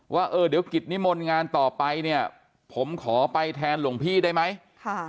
ว่าเออเดี๋ยวกิจนิมนต์งานต่อไปเนี่ยผมขอไปแทนหลวงพี่ได้ไหมค่ะ